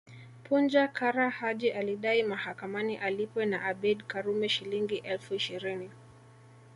Punja Kara Haji alidai mahakamani alipwe na Abeid Karume Shilingi elfu ishirini